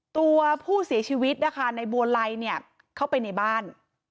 ตัวผู้เสียชีวิตนะคะในบัวไลเนี่ยเข้าไปในบ้าน